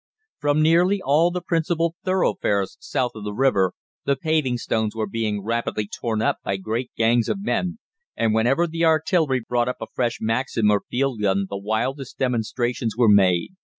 From nearly all the principal thoroughfares south of the river the paving stones were being rapidly torn up by great gangs of men, and whenever the artillery brought up a fresh Maxim or field gun the wildest demonstrations were made.